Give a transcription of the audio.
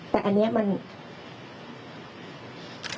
แต่อันนี้มัน